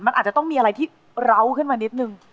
มันอาจจะต้องมีอะไรที่เล้าขึ้นมานิดนึง